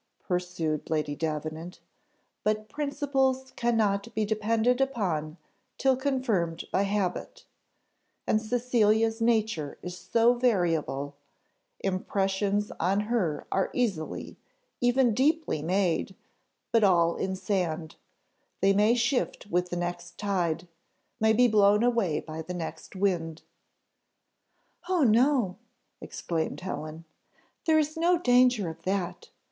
pursued Lady Davenant; "but principles cannot be depended upon till confirmed by habit; and Cecilia's nature is so variable impressions on her are easily, even deeply made, but all in sand; they may shift with the next tide may be blown away by the next wind." "Oh no," exclaimed Helen, "there is no danger of that.